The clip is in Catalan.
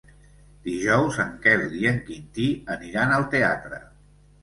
Dijous en Quel i en Quintí aniran al teatre.